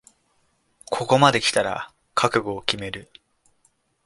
ここまできたら覚悟を決める